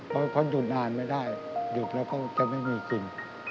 เพราะหยุดนานไม่ได้หยุดแล้วก็จะไม่มีกิน